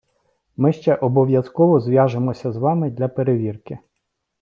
Ми ще обов'язково зв'яжемося з вами для перевірки.